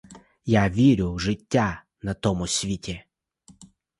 Я вірю в життя на тому світі.